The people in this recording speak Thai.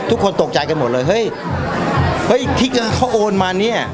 ทุกคนตกใจกันหมดเลยเฮ้ยเฮ้ยที่เขาโอนมาเนี่ย